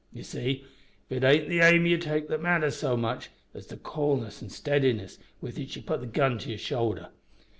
You see, it ain't the aim you take that matters so much, as the coolness an' steadiness with which ye put the gun to your shoulder.